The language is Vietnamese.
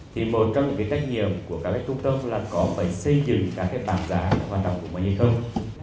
thì một trong những trách nhiệm của các trung tâm là có phải xây dựng các bảng giá hoạt động của mọi người không